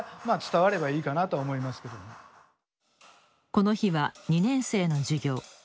この日は２年生の授業。